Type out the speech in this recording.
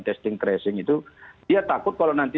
testing tracing itu dia takut kalau nanti